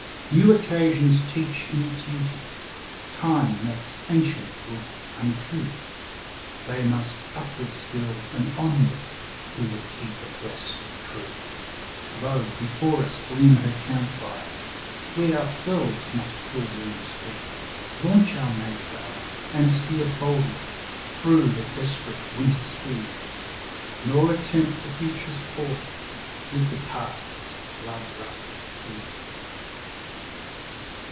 New occasions teach new duties; Time makes ancient good uncouth; They must upward still, and onward, who would keep abreast of Truth; Lo, before us gleam her camp fires! we ourselves must Pilgrims be, Launch our Mayflower, and steer boldly through the desperate winter sea, Nor attempt the Future's portal with the Past's blood rusted key.